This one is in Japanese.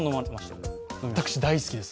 私、大好きです。